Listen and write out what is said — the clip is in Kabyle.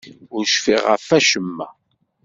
Ur cfiɣ ɣef wacemma.